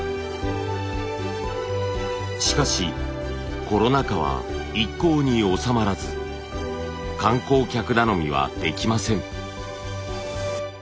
しかしコロナ禍は一向に収まらず観光客頼みはできません。